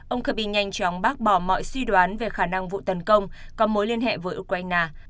ông kirbyn nhanh chóng bác bỏ mọi suy đoán về khả năng vụ tấn công có mối liên hệ với ukraine